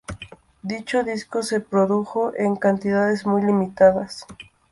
Dicho disco se produjo en cantidades muy limitadas.